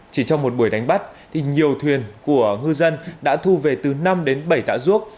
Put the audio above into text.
chỉ trong một buổi đánh bắt nhiều thuyền của ngư dân đã thu về từ năm bảy tả ruốc